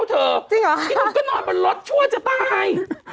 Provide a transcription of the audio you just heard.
พี่หนุ่มก็นอนบนรถชั่วจะตาย